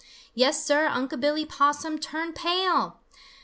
Yes, Sir, Unc' Billy Possum turned pale!